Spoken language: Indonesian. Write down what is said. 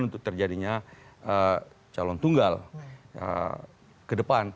untuk terjadinya calon tunggal ke depan